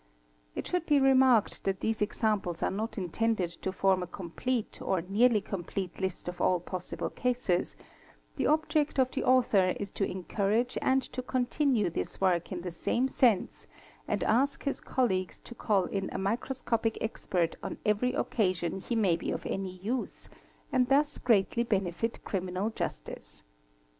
It should be remarked that these examples are not intended to form a complete or nearly complete list of all possible cases; the object of the author is to encourage and to continue this work in the same — sense and ask his colleagues to callin a microscopic expert on every occasion he may be of any use—and thus oreatly benefit criminal justice.